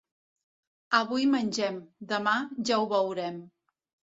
Avui mengem, demà, ja ho veurem.